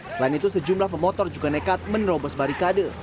selain itu sejumlah pemotor juga nekat menerobos barikade